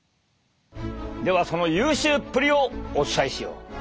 ではその優秀っぷりをお伝えしよう。